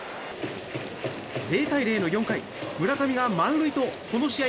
０対０の４回、村上が満塁とこの試合